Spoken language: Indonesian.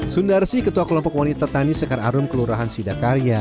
sundarsi ketua kelompok wanita tani sekar arum kelurahan sidakarya